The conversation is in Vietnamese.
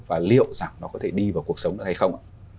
và liệu rằng nó có thể đi vào cuộc sống nữa hay không